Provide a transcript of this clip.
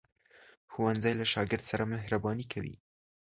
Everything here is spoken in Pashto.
ښوونځی له شاګرد سره مهرباني کوي